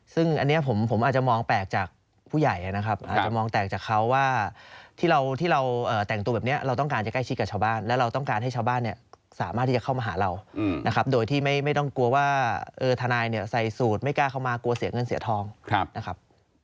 ซึ่งอันนี้ผมอาจจะมองแปลกจากผู้ใหญ่นะครับอาจจะมองแตกจากเขาว่าที่เราแต่งตัวแบบนี้เราต้องการจะใกล้ชิดกับชาวบ้านแล้วเราต้องการให้ชาวบ้านเนี่ยสามารถที่จะเข้ามาหาเรานะครับโดยที่ไม่ต้องกลัวว่าทนายเนี่ยใส่สูตรไม่กล้าเข้ามากลัวเสียเงินเสียทองนะครับ